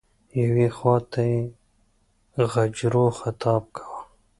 یوې خواته یې د غجرو خطاب کاوه.